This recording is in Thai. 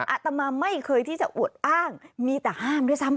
อาตมาไม่เคยที่จะอวดอ้างมีแต่ห้ามด้วยซ้ำ